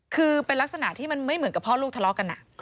คือเป็นลักษณะที่มันไม่เหมือนกับพ่อลูกทะเลาะกัน